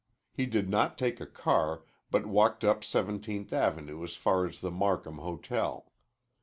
He did not take a car, but walked up Seventeenth Avenue as far as the Markham Hotel.